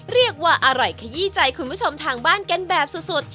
เรียกว่าอร่อยขยี้ใจคุณผู้ชมทางบ้านกันแบบสุด